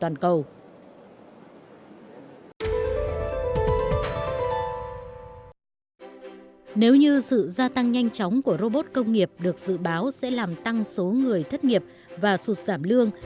nếu như sự gia tăng nhanh chóng của robot công nghiệp được dự báo sẽ làm tăng số người thất nghiệp và sụt giảm lương